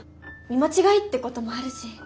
見間違いってこともあるし。